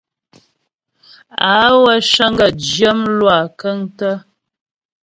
Á wə́ cəŋ gaə̂ zhyə́ mlwâ kə́ŋtə́ données.